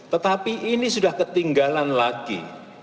tetapi ini sudah ketinggalan lagi